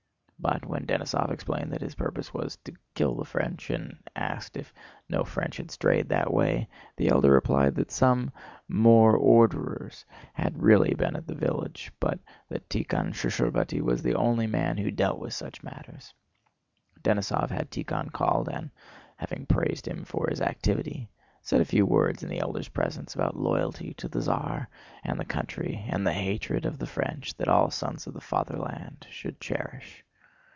But when Denísov explained that his purpose was to kill the French, and asked if no French had strayed that way, the elder replied that some "more orderers" had really been at their village, but that Tíkhon Shcherbáty was the only man who dealt with such matters. Denísov had Tíkhon called and, having praised him for his activity, said a few words in the elder's presence about loyalty to the Tsar and the country and the hatred of the French that all sons of the fatherland should cherish.